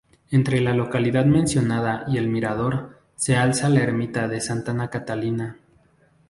Entre la localidad mencionada y el mirador, se alza la ermita de Santa Catalina.